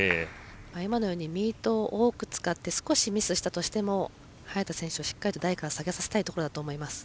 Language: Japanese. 今のようにミートを多く使って少しミスしたとしても早田選手をしっかりと台から下げさせたいところだと思います。